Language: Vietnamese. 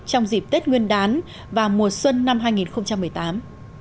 trong dịp tết nguyên đán và mùa xuân năm hai nghìn một mươi tám